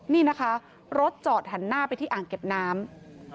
นี่นะคะรถจอดหันหน้าไปที่อ่างเก็บน้ำ